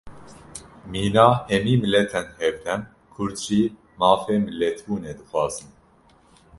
Mîna hemî miletên hevdem, Kurd jî mafê milletbûnê dixwazin